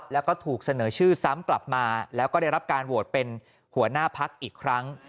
แล้วก็ถูกเสนอชื่อซ้ำกลับมาแล้วก็ได้รับการโหวตเป็นหัวหน้าพักอีกครั้ง